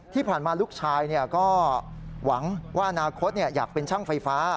ที่ผ่านมาลูกชายก็หวังว่าอนาคตอยากเป็นช่างไฟฟ้า